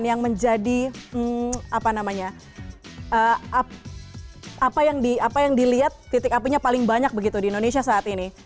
yang menjadi apa namanya yang dilihat titik apinya paling banyak begitu di indonesia saat ini